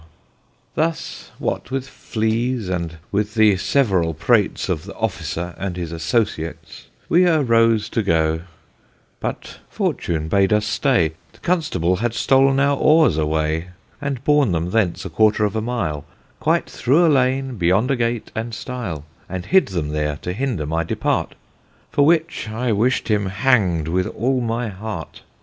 Thus what with Fleas and with the seuerall prates Of th' officer, and his Ass sociats We arose to goe, but Fortune bade us stay: The Constable had stolne our oares away, And borne them thence a quarter of a mile Quite through a Lane beyond a gate and stile; And hid them there to hinder my depart, For which I wish'd him hang'd with all my heart.